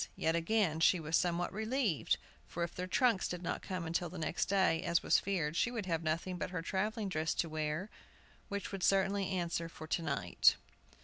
Yet, again, she was somewhat relieved, for if their trunks did not come till the next day, as was feared, she should have nothing but her travelling dress to wear, which would certainly answer for to night.